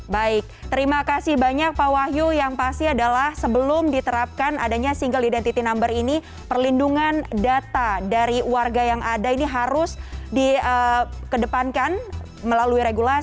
baik terima kasih banyak pak wahyu yang pasti adalah sebelum diterapkan adanya single identity number ini perlindungan data dari warga yang ada ini harus dikedepankan melalui regulasi